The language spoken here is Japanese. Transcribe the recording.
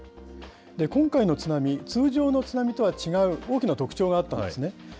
今回の津波、通常の津波とは違う大きな特徴があったんですね。